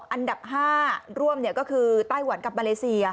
อันดับ๕ร่วมก็คือไต้หวันกับมาเลเซีย